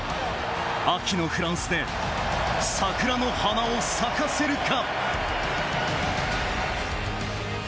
秋のフランスで桜の花を咲かせるか。